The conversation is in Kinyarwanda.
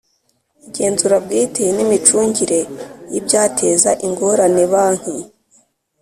Igenzura bwite n’ imicungire y’ibyateza ingorane banki